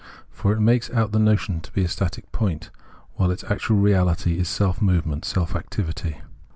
For it makes out the notion to be a static point, while its actual reahty is self movement, self activity.